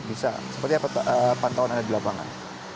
misa seperti apa pantauan anda di lapangan